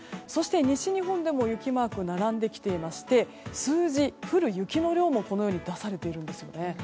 そして西日本でも雪マークが並んできていて数字、降る雪の量もこのように出されているんです。